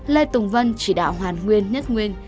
lê tùng vân chỉ đạo hoàn nguyên nhất nguyên